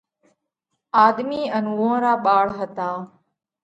آۮمِي ان اُوئون را ٻاۯ هتا۔